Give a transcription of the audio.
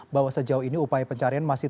bahwa sejauh ini upaya pencarian masih